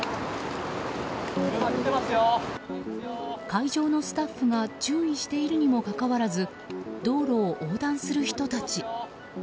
会場のスタッフが注意しているにもかかわらず道路を横断する人たち。